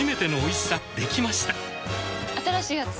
新しいやつ？